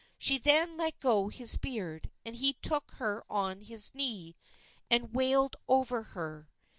She then let go his beard and he took her on his knee and wailed over her.